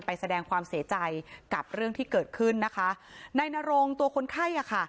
แสดงความเสียใจกับเรื่องที่เกิดขึ้นนะคะนายนรงตัวคนไข้อ่ะค่ะ